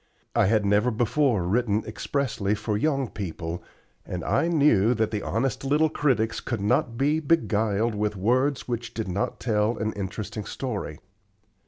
I had never before written expressly for young people, and I knew that the honest little critics could not be beguiled with words which did not tell an interesting story.